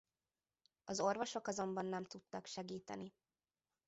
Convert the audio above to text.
Az orvosok azonban nem tudtak segíteni.